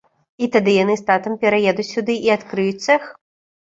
І тады яны з татам пераедуць сюды і адкрыюць цэх.